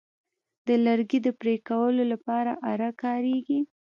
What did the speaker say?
د لرګي د پرې کولو لپاره آره کاریږي.